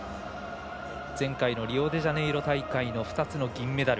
前回のリオデジャネイロ大会の２つの銀メダル。